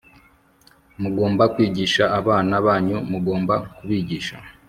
Mugomba kwigisha abana banyu Mugomba kubigisha